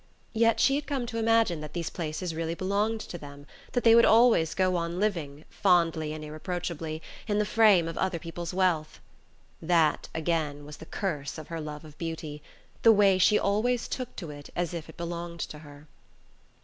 Yet she had come to imagine that these places really belonged to them, that they would always go on living, fondly and irreproachably, in the frame of other people's wealth.... That, again, was the curse of her love of beauty, the way she always took to it as if it belonged to her!